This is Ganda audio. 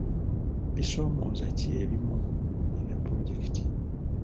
Bisoomooza ki ebimu ebya pulojekiti?